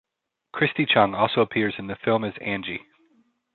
Christy Chung also appears in the film as "Angie".